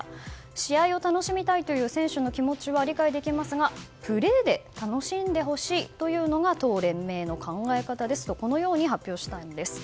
試合を楽しみたいという選手の気持ちは理解できますが、プレーで楽しんでほしいというのが当連盟の考え方ですとこのように発表したんです。